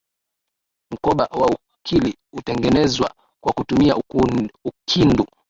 Mkoba wa ukili hutengenezwa kwa kutumia ukindu